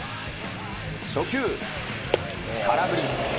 初球、空振り。